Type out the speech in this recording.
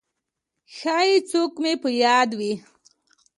«ها… ښایي څوک مې په یاد وي!»